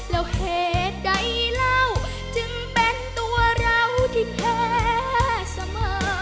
แล้วเหตุใดเล่าจึงเป็นตัวเราที่แท้เสมอ